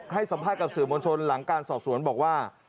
ให้สัมภาษณ์กับสื่อมวลชนหลังการสอบสวนบอกว่า